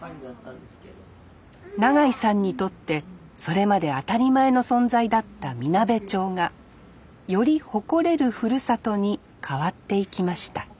永井さんにとってそれまで当たり前の存在だったみなべ町がより誇れるふるさとに変わっていきました